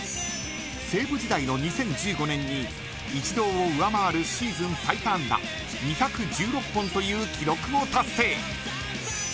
西武時代の２０１５年にイチローを上回るシーズン最多安打２１６本という記録を達成。